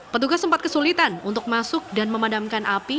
petugas sempat kesulitan untuk masuk dan memadamkan api